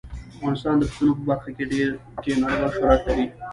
افغانستان د پسونو په برخه کې نړیوال شهرت لري.